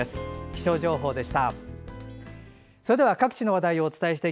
気象情報でした。